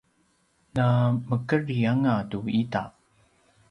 na mekedri anga tu ita